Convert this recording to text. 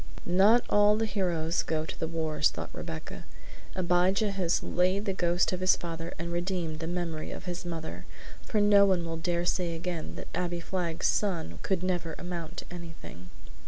"Not all the heroes go to the wars," thought Rebecca. "Abijah has laid the ghost of his father and redeemed the memory of his mother, for no one will dare say again that Abbie Flagg's son could never amount to anything!"